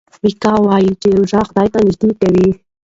میکا وايي چې روژه خدای ته نژدې کوي.